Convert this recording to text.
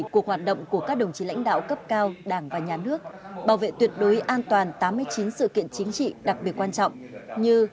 cuộc hoạt động của các đồng chí lãnh đạo cấp cao đảng và nhà nước bảo vệ tuyệt đối an toàn tám mươi chín sự kiện chính trị đặc biệt quan trọng như